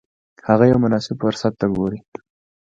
هغه یو مناسب فرصت ته ګوري.